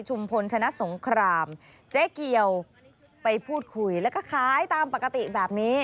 เจ๊เกียวไปพูดคุยแล้วก็ขายตามปกติแบบนี้